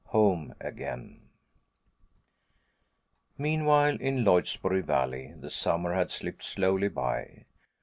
HOME AGAIN Meanwhile in Lloydsboro Valley the summer had slipped slowly by.